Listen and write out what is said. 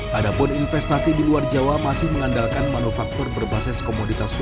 padahal investasi di luar jawa masih mengandalkan manufaktur berbasis komunitas